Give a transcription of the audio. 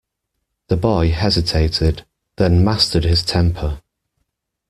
The boy hesitated, then mastered his temper.